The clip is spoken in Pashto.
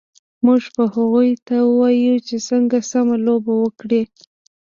موږ به هغوی ته ووایو چې څنګه سم لوبه وکړي